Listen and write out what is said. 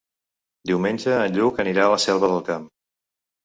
Diumenge en Lluc anirà a la Selva del Camp.